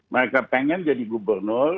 mereka pengen jadi gubernur